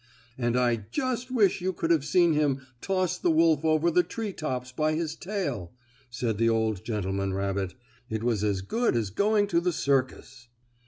"And I just wish you could have seen him toss the wolf over the tree tops by his tail," said the old gentleman rabbit. "It was as good as going to the circus."